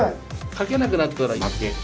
書けなくなったら負け。